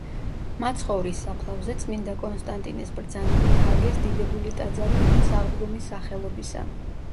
მაცხოვრის საფლავზე წმინდა კონსტანტინეს ბრძანებით ააგეს დიდებული ტაძარი უფლის აღდგომის სახელობისა.